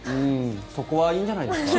そこはいいんじゃないですか。